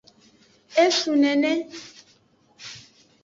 Esun nene.